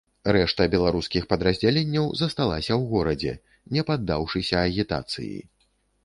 Рэшта беларускіх падраздзяленняў засталася ў горадзе, не паддаўшыся агітацыі.